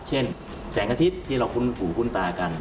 เช่นแสงอาทิตย์ที่เราคุ้นหูคุ้นตากัน